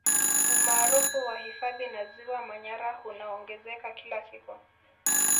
Umaarufu wa hifadhi na Ziwa Manyara hunaongezeka kila siku